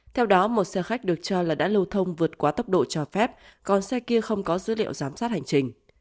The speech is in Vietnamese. theo đó một xe khách được cho là đã lưu thông vượt quá tốc độ cho phép còn xe kia không có dữ liệu giám sát hành trình